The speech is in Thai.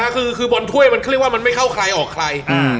คือบอลถ้วยมันไม่เข้าใครออกใคร